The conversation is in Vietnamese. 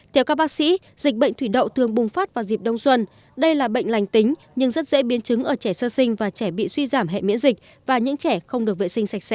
theo các bác sĩ dịch bệnh thủy đậu thường bùng phát vào dịp đông xuân đây là bệnh lành tính nhưng rất dễ biến chứng ở trẻ sơ sinh và trẻ bị suy giảm hệ miễn dịch và những trẻ không được vệ sinh sạch sẽ